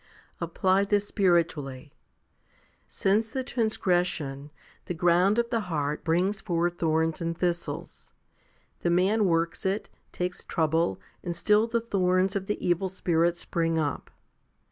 Apply this spiritually. Since the transgression the ground of the heart brings forth thorns and thistles. The man works it, takes trouble, and still the thorns of the evil spirits spring up.